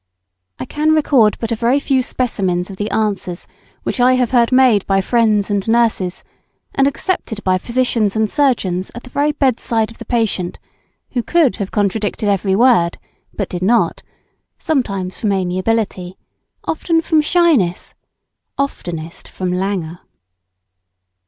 I can record but a very few specimens of the answers which I have heard made by friends and nurses, and accepted by physicians and surgeons at the very bed side of the patient, who could have contradicted every word, but did not sometimes from amiability, often from shyness, oftenest from languor!